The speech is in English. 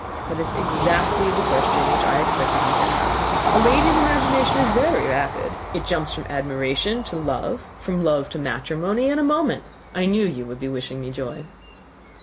"That is exactly the question which I expected you to ask. A lady's imagination is very rapid; it jumps from admiration to love, from love to matrimony, in a moment. I knew you would be wishing me joy."